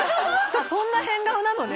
そんな変顔なのね。